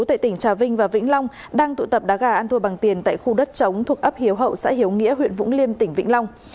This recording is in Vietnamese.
tại tỉnh trà vinh và vĩnh long đang tụ tập đá gà ăn thua bằng tiền tại khu đất chống thuộc ấp hiếu hậu xã hiếu nghĩa huyện vũng liêm tỉnh vĩnh long